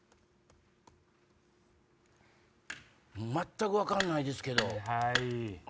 全く分かんないですけど。